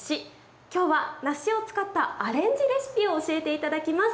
きょうは梨を使ったアレンジレシピを教えていただきます。